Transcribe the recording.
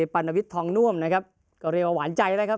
ก็อยากให้ทุกคนให้กำลังใจเมย์ค่ะ